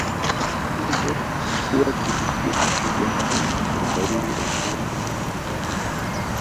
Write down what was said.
Hivyo kuwa kivutio kikubwa kwa watalii wa ndani na nje ya nchi